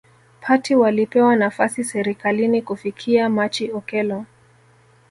party walipewa nafasi serikalini Kufikia Machi Okello